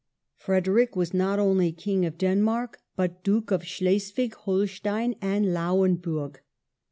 Frederick was not only King of Denmark but question J)^\^q of Schleswig Holstein and Lauenburg.